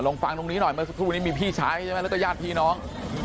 ลองฟังตรงนี้หน่อยเพราะวันนี้มีพี่ใช้ใช่ไหมแล้วก็ญาติพี่น้อง